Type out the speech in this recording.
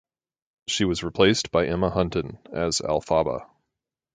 She was replaced by Emma Hunton as Elphaba.